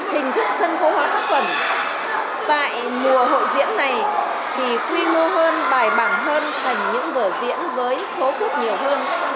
hình thức sân phố hóa tác phẩm tại mùa hội diễn này thì quy mô hơn bài bảng hơn thành những vở diễn với số phút nhiều hơn